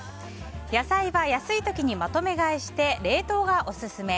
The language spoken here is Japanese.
野菜は安い時にまとめ買いして冷凍がオススメ。